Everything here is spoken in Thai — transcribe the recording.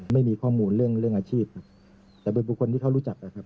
ไม่มีข้อมูลเรื่องอาชีพแต่เป็นบุคคลที่เขารู้จัก